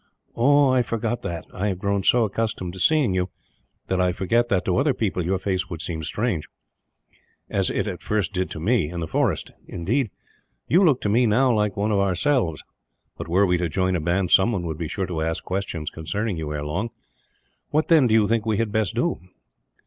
"I forgot that. I have grown so accustomed to seeing you that I forget that, to other people, your face would seem strange; as it at first did to me, in the forest. Indeed you look to me now like one of ourselves; but were we to join a band, someone would be sure to ask questions concerning you, ere long. What, then, do you think we had best do?"